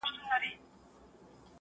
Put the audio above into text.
يو نغمه ګره نقاسي کومه ښه کوومه،